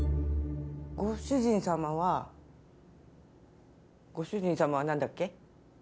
ご主人様はご主人様はなんだっけ？